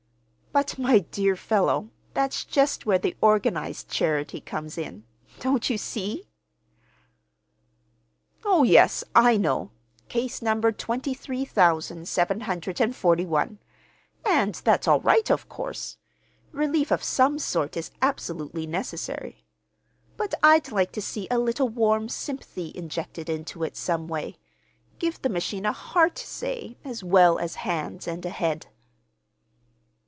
"But, my dear fellow, that's just where the organized charity comes in. Don't you see?" "Oh, yes, I know—Case number twenty three thousand seven hundred and forty one! And that's all right, of course. Relief of some sort is absolutely necessary. But I'd like to see a little warm sympathy injected into it, some way. Give the machine a heart, say, as well as hands and a head."